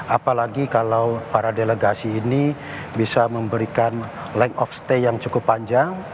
apalagi kalau para delegasi ini bisa memberikan lengk of stay yang cukup panjang